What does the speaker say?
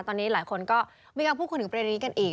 ตอนนี้หลายคนก็มีการพูดคุยถึงประเด็นนี้กันอีก